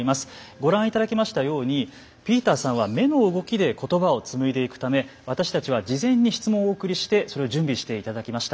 ご覧いただきましたようにピーターさんは目の動きで言葉をつむいでいくため私たちは事前に質問をお送りしてそれを準備していただきました。